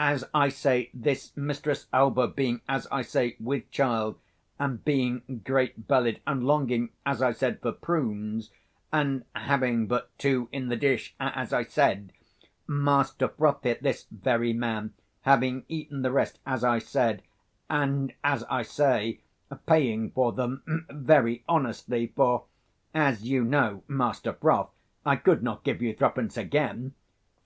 As I say, this Mistress Elbow, being, as I say, with child, and being great bellied, and 95 longing, as I said, for prunes; and having but two in the dish, as I said, Master Froth here, this very man, having eaten the rest, as I said, and, as I say, paying for them very honestly; for, as you know, Master Froth, I could not give you three pence again.